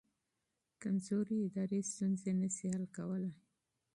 کمزوري ادارې ستونزې حل نه شي کولی.